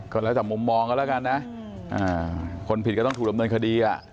ก็แล้วแต่มุมมองกันแล้วกันนะคนผิดก็ต้องถูกดำเนินคดี